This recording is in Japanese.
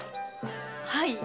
はい。